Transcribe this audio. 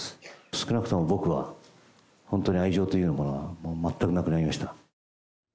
少なくとも僕は、本当に愛情というようなものはもう全くなくなりました。